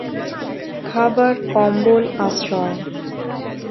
খাবার, কম্বল, আশ্রয়।